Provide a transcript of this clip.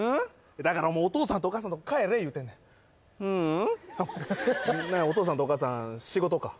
だからお父さんとお母さんとこ帰れ言うてんねんううん何やお父さんとお母さん仕事か？